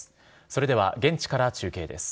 それでは現地から中継です。